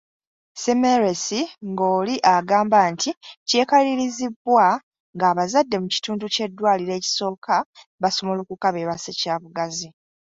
Semmelwesi ng’oli agamba nti kyekalirizibbwa ng’abazadde mu kitundu ky’eddwaliro ekisooka basumulukuka beebase kyabugazi.